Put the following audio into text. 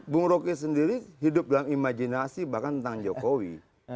bung roky sendiri hidup dalam imajinasi bahkan tentang jokowi